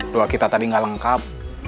doa kita tadi gak lengkap